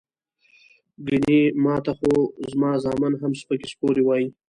ګني ماته خو زما زامن هم سپکې سپورې وائي" ـ